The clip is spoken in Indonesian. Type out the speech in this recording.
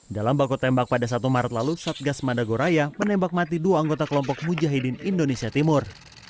dalam baku tembak pada satu maret lalu satgas madagoraya menembak mati dua anggota kelompok mujahidin indonesia timur